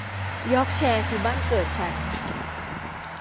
ยอร์คแชร์คือบ้านเกิดฉัน